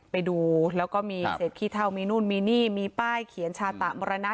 ไปดูแล้วก็มีเศษขี้เท่ามีนู่นมีนี่มีป้ายเขียนชาตะมรณะ